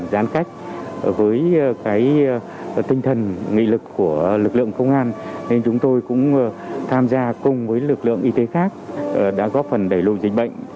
giãn cách với cái tinh thần nghị lực của lực lượng công an nên chúng tôi cũng tham gia cùng với lực lượng y tế khác đã góp phần đẩy lùi dịch bệnh